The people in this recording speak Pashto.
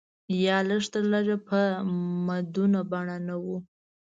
یا لږ تر لږه په مدونه بڼه نه و.